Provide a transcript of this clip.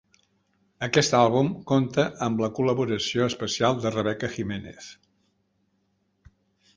Aquest àlbum compta amb la col·laboració especial de Rebeca Jiménez.